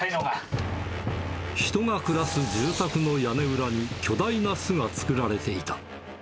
人が暮らす住宅の屋根裏に、巨大な巣が作られていた。